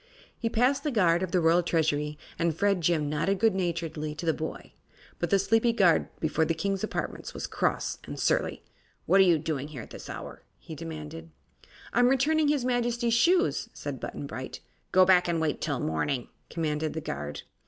He passed the guard of the Royal Treasury and Fredjim nodded good naturedly to the boy. But the sleepy guard before the King's apartments was cross and surly. "What are you doing here at this hour?" he demanded. "I'm returning his Majesty's shoes," said Button Bright. "Go back and wait till morning," commanded the guard.